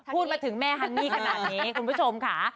พูดมาถึงแม่ฮันนี่ขนาดนี้คุณผู้ชมค่ะ